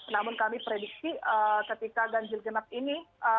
namun kami prediksi ketika ganjil genap ini